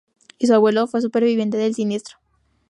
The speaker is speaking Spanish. Y, su abuelo fue superviviente del siniestro.